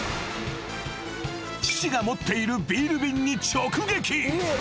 ［父が持っているビール瓶に直撃］